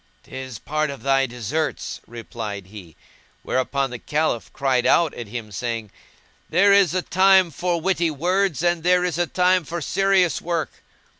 "'Tis part of thy deserts,"replied he; whereupon the Caliph cried out at him saying, "There is a time for witty words and there is a time for serious work."